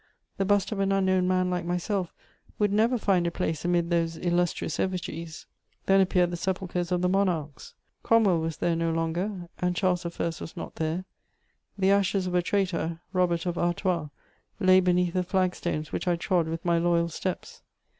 The bust of an unknown man like myself would never find a place amid those illustrious effigies! Then appeared the sepulchres of the monarchs: Cromwell was there no longer, and Charles I. was not there. The ashes of a traitor, Robert of Artois, lay beneath the flagstones which I trod with my loyal steps.